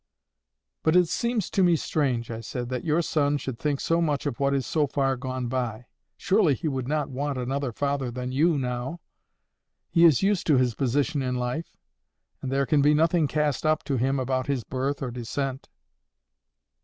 "But it seems to me strange," I said, "that your son should think so much of what is so far gone by. Surely he would not want another father than you, now. He is used to his position in life. And there can be nothing cast up to him about his birth or descent."